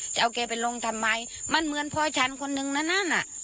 จะเอาแกไปลงทำไมมันเหมือนพ่อฉันคนนึงนะนั่นน่ะ